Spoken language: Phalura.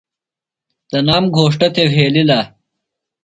تنام گھوݜٹہ تھےۡ وھیلِلہ۔